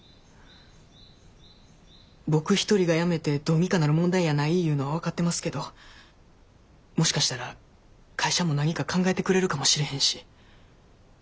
僕一人がやめてどうにかなる問題やないいうのは分かってますけどもしかしたら会社も何か考えてくれるかもしれへんし。